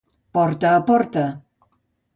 Porta a porta.